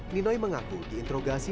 ninoi mengaku diintrogasi